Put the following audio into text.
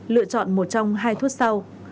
lựa chọn một trong hai thuốc sau